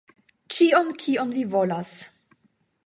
Ĉion kion vi volas.